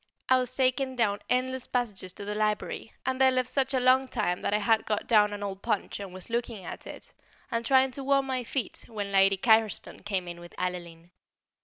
I was taken down endless passages to the library, and there left such a long time that I had got down an old Punch and was looking at it, and trying to warm my feet, when Lady Carriston came in with Adeline.